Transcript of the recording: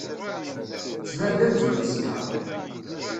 Tettban-d amzun teskeṛ.